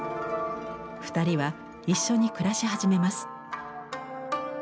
２人は一緒に暮らし始めます。